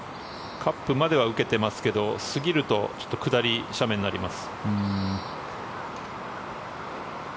カップまでは受けてますけど過ぎるとちょっと下り斜面になります。